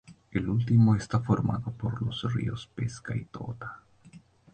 Este último es formado por los ríos Pesca y Tota.